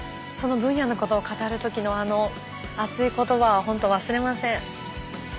その分野のことを語る時のあの熱い言葉はほんと忘れません。